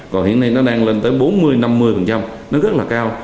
còn hiện nay nó đang lên tới bốn mươi năm mươi nó rất là cao